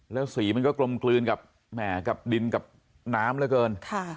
แล้วสีมันก็กลมกลืนกับแหมกับดินกับน้ำเหลือเกิน